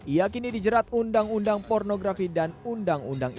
ia kini dijerat undang undang pornografi dan undang undang